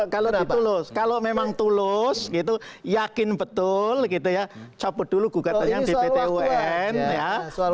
kalau kalau kalau memang tulus gitu yakin betul gitu ya cabut dulu gua katanya di pt un ya soal